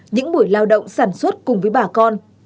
những buổi lao động sản xuất cùng với bà con